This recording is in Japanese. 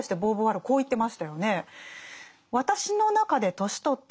こう言ってましたよね。